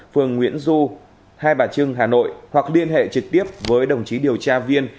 phường nguyễn du hai bà trưng hà nội hoặc liên hệ trực tiếp với đồng chí điều tra viên